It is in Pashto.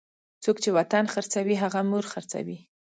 څوک چې وطن خرڅوي هغه به مور خرڅوي.